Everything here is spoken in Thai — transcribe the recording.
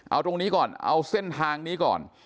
เอาตรงนี้ก่อนเอาเส้นทางนี้ก่อน